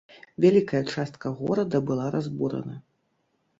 Вялікая частка горада была разбурана.